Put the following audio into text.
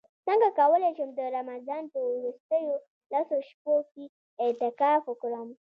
څنګه کولی شم د رمضان په وروستیو لسو شپو کې اعتکاف وکړم